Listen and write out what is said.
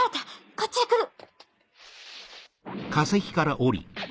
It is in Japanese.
こっちへ来る！